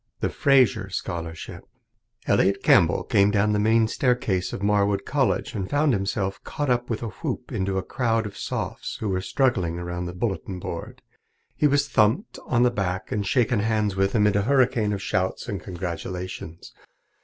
The Fraser Scholarship Elliot Campbell came down the main staircase of Marwood College and found himself caught up with a whoop into a crowd of Sophs who were struggling around the bulletin board. He was thumped on the back and shaken hands with amid a hurricane of shouts and congratulations.